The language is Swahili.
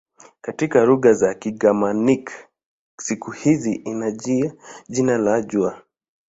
Katika lugha za Kigermanik siku hii ina jina la "jua".